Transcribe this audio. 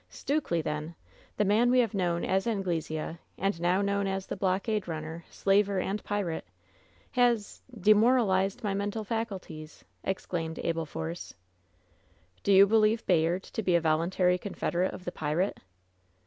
"Stukely, then! the man we have known as Angle sea — and now known as the blockade runner, slaver and pirate — has — demoralized my mental faculties!" ex claimed Abel Force. "Do you believe Bayard to be a volxmtary confed erate of the pirate?"